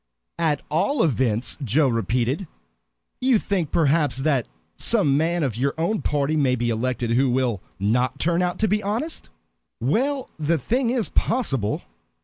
"At all events!" Joe repeated. "You think, perhaps, that some man of your own party may be elected who will not turn out to be honest?" "Well, the thing is possible.